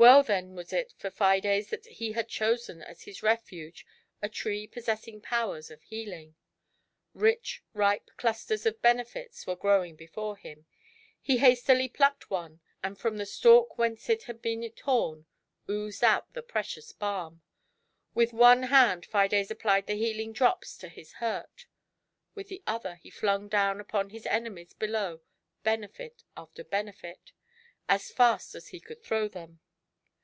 Well then was it for Fides that he had chosen as his refuge a tree possessing powers of healing. Rich, ripe clusters of Benefits were growing before him ; he hastily plucked one, and from the stalk whence it had been torn oozed out the precious balm. With one hand Fides applied the healing di'ops to his huit, with the other he flung down upon his enemies below Benefit after Benefit, as fast as he could throw them.